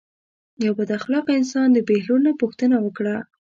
یو بد اخلاقه انسان د بهلول نه پوښتنه وکړه.